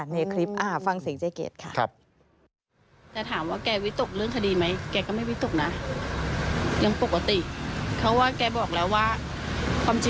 ในคลิปฟังเสียงเจ๊เกดค่ะ